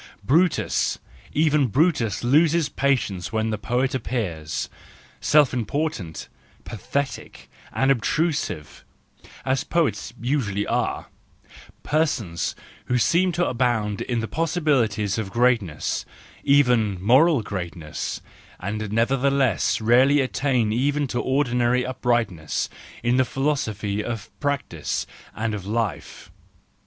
Brutus, even Brutus loses patience when the poet appears, self important, pathetic, and obtrusive, as poets usually are,—persons who seem to abound in the possibilities of greatness, even moral greatness, and nevertheless rarely attain even to ordinary uprightness in the philosophy of practice and of life.